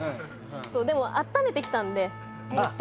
でもあっためてきたんでずっと。